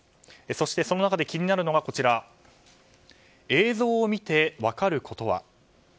そして、その中で気になるのが映像を見て分かることは？